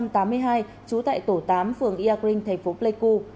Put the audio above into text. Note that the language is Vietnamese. trú tại tổ tám phường yagring thành phố pleiku